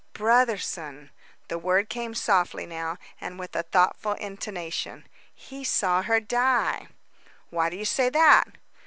"Brotherson!" The word came softly now, and with a thoughtful intonation. "He saw her die." "Why do you say that?"